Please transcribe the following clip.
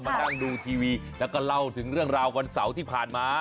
มานั่งดูทีวีแล้วก็เล่าถึงเรื่องราววันเสาร์ที่ผ่านมา